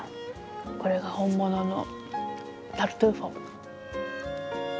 これが本物のタルトゥーフォ。